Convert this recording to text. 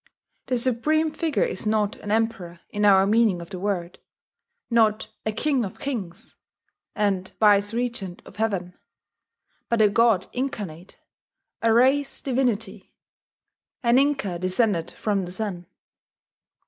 The supreme figure is not an Emperor in our meaning of the word, not a king of kings and viceregent of heaven, but a God incarnate, a race divinity, an Inca descended from the Sun.